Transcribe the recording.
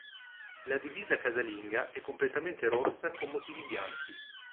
La divisa casalinga è completamente rossa con motivi bianchi.